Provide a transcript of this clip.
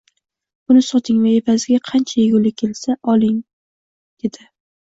Buni soting va evaziga qancha egulik kelsa olib keling dedi